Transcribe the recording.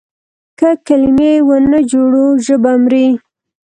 که کلمې ونه جوړو ژبه مري.